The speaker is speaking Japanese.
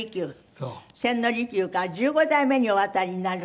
千利休から１５代目にお当たりになるんです。